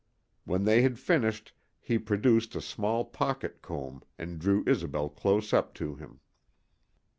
When they had finished he produced a small pocket comb and drew Isobel close up to him.